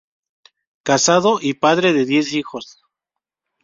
Casado y padre de diez hijos.